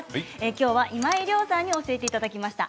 今日は今井亮さんに教えていただきました。